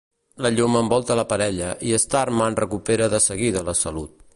La llum envolta la parella, i Starman recupera de seguida la salut.